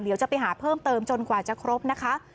เดี๋ยวจะไปหาเพิ่มเติมจนกว่าจะครบนะคะ